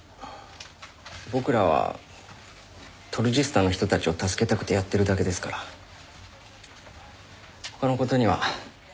僕らはトルジスタンの人たちを助けたくてやってるだけですから他の事にはあまり興味がないんです。